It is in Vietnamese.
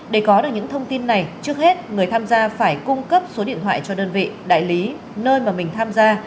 để có được những thông tin này trước hết người tham gia phải cung cấp số điện thoại cho đơn vị đại lý nơi mà mình tham gia